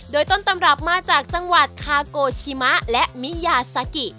โดยต้นตำรับมาจากจังหวัดคาโกชิมะและมิยาซากิ